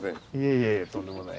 いえいえとんでもない。